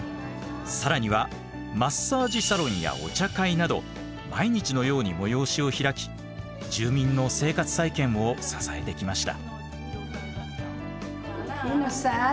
更にはマッサージサロンやお茶会など毎日のように催しを開き住民の生活再建を支えてきました。